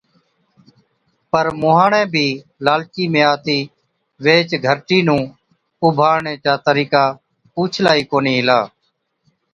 پَر مُونهاڻَي بِي لالچِي ۾ آتِي ويهچ گھَرٽِي نُون اُڀاڻڻي چا طرِيقا پُوڇلا ئِي ڪونهِي هِلا۔